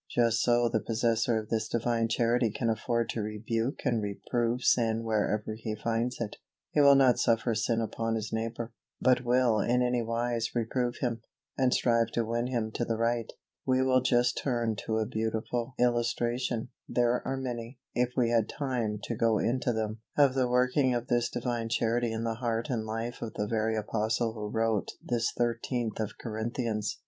Just so the possessor of this Divine Charity can afford to rebuke and reprove sin wherever he finds it. He will not suffer sin upon his neighbor, but will in any wise reprove him, and strive to win him to the right. We will just turn to a beautiful illustration (there are many, if we had time to go into them) of the working of this Divine Charity in the heart and life of the very apostle who wrote this 13th of Corinthians.